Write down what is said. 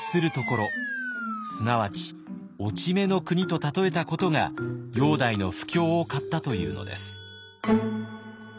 すなわち落ち目の国と例えたことが煬帝の不興を買ったというのです。